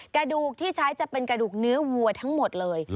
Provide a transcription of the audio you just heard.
กระดูกที่ใช้จะเป็นกระดูกเนื้อวัวทั้งหมดเลย